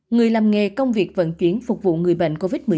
người làm nghề công việc vận chuyển phục vụ người bệnh covid một mươi chín